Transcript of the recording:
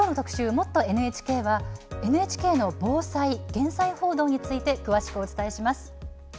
「もっとＮＨＫ」はＮＨＫの防災・減災報道について詳しくお伝えします。